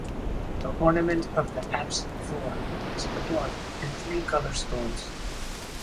The ornament of the apse floor is adorned in three color stones.